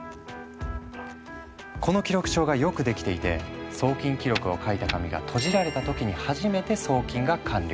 この記録帳がよく出来ていて送金記録を書いた紙がとじられた時に初めて送金が完了。